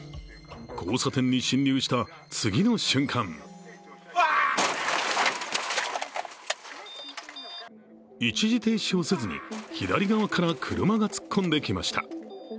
交差点に進入した次の瞬間一時停止をせずに、左側から車が突っ込んできました。